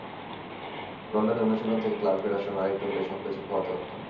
লন্ডনে অনুশীলন থেকে ক্লাবে ফেরার সময় আরেকটু হলেই সবকিছু খোয়াতে হতো।